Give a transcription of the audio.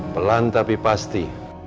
pelan tapi pasti